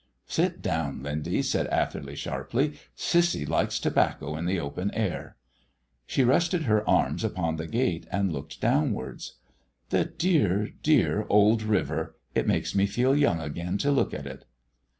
"Sit down, Lindy," said Atherley sharply, "Cissy likes tobacco in the open air." She rested her arms upon the gate and looked downwards. "The dear dear old river! It makes me feel young again to look at it."